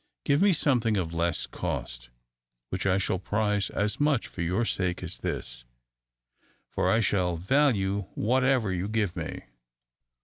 Give me something of less cost, which I shall prize as much for your sake as this, for I shall value whatever you give me."